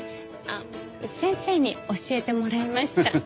あっ先生に教えてもらいました。